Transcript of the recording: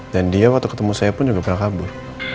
dan dia waktu ketemu saya pun juga pernah kabur